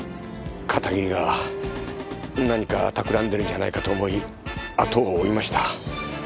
片桐が何かたくらんでるんじゃないかと思いあとを追いました。